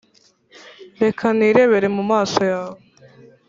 reka nirebere mu maso yawe,